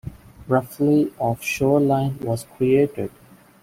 Roughly of shoreline was created.